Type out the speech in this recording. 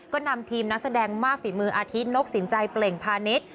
ก็นำทีมนักแสดงมากฝีมืออาทิตนกสินใจเปล่งพาณิชย์